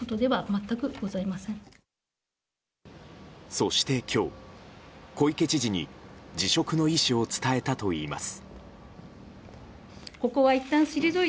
そして今日、小池知事に辞職の意思を伝えたといいます。